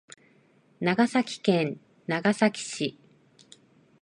長崎県長崎市